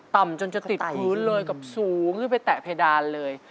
จนจะติดพื้นเลยกับสูงขึ้นไปแตะเพดานเลย